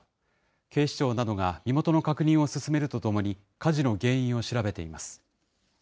警視庁などが身元の確認を進めるとともに、火事の原因を調べています。